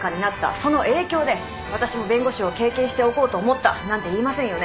その影響で私も弁護士を経験しておこうと思ったなんて言いませんよね？